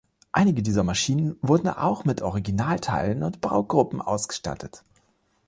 Einige dieser Maschinen wurden auch mit Originalteilen und -baugruppen ausgestattet.